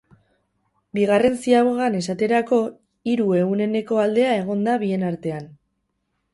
Bigarren ziabogan esaterako, hiru ehuneneko aldea egon da bien artean.